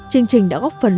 chương trình đã góp phần